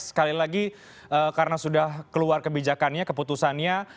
sekali lagi karena sudah keluar kebijakannya keputusannya